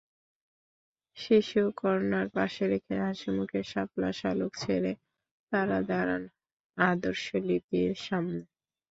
শিশু কর্নার পাশে রেখে হাসিখুশি, শাপলাশালুক ছেড়ে তারা দাঁড়ান আদর্শ লিপির সামনে।